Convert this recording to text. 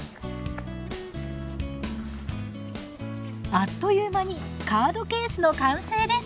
あっという間にカードケースの完成です！